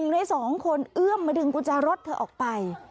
ใน๒คนเอื้อมมาดึงกุญแจรถเธอออกไป